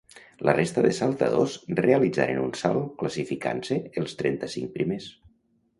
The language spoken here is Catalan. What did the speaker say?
La resta de saltadors realitzaren un salt, classificant-se els trenta-cinc primers.